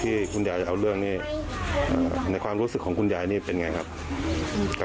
ที่คุณยายจะเอาเรื่องนี้ในความรู้สึกของคุณยายนี่เป็นไงครับ